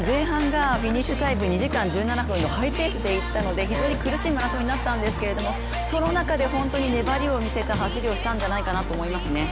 前半が２時間１７分のハイペースでいったので非常に苦しいマラソンになったんですけどその中で本当に粘りを見せた走りをしたんじゃないかなと思いますね。